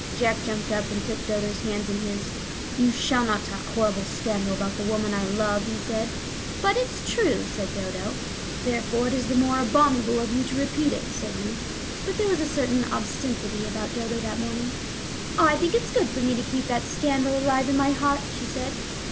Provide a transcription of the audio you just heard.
Jack jumped up, and took Dodo's hands in his. "You shall not talk horrible scandal about the woman I love," he said. "But it's true," said Dodo. "Therefore it is the more abominable of you to repeat it," said he. But there was a certain obstinacy about Dodo that morning. "I think it's good for me to keep that scandal alive in my heart," she said.